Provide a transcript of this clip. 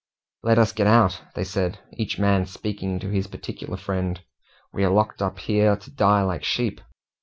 "Let us get out!" they said, each man speaking to his particular friend. "We are locked up here to die like sheep."